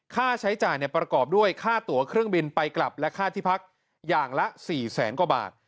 ค่าใช้จ่ายประกอบด้วยค่าตัวเครื่องบินไปกลับและค่าที่พักอย่างละ๔แสนกว่าบาท